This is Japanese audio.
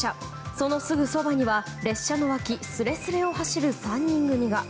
そのすぐそばには、列車の脇すれすれを走る３人組が。